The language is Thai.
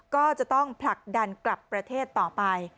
ก็จะต้องผลักดันกลับประเทศต่อไป